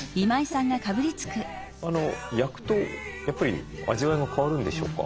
焼くとやっぱり味わいが変わるんでしょうか？